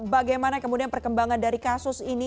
bagaimana kemudian perkembangan dari kasus ini